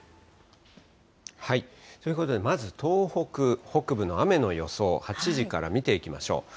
ということで、まず東北北部の雨の予想、８時から見ていきましょう。